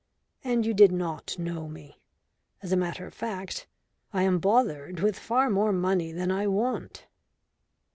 And you did not know me. As a matter of fact, I am bothered with far more money than I want."